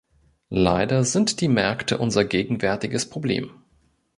Leider sind die Märkte unser gegenwärtiges Problem.